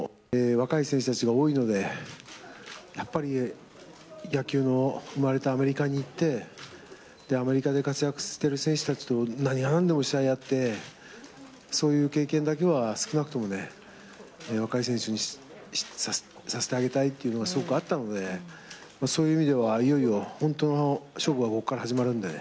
若い選手たちが多いのでやっぱり野球の生まれたアメリカに行ってアメリカで活躍している選手たちと何が何でも試合をやってそういう経験だけは少なくとも若い選手にさせてあげたいというのがすごくあったのでそういう意味では、いよいよ本当の勝負はここから始まるので。